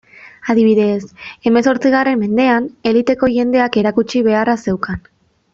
Adibidez, hemezortzigarren mendean, eliteko jendeak erakutsi beharra zeukan.